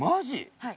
はい。